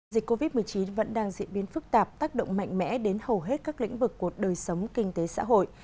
dịch covid một mươi chín vẫn đang diễn biến phức tạp tác động mạnh mẽ đến hầu hết các lĩnh vực của đời sống kinh tế xã hội